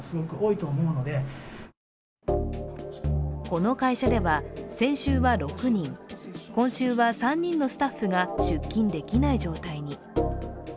この会社では先週は６人、今週は３人のスタッフが出勤できない状態に。